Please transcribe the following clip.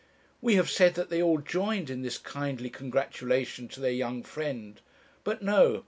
"We have said that they all joined in this kindly congratulation to their young friend. But no.